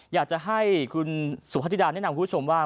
อยากจะให้คุณสุพธิดาแนะนำคุณผู้ชมว่า